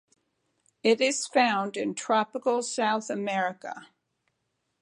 It is found in tropical South America.